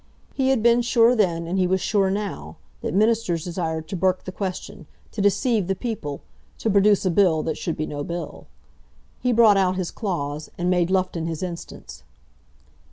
He had been sure then, and he was sure now, that Ministers desired to burke the question, to deceive the people, to produce a bill that should be no bill. He brought out his clause, and made Loughton his instance.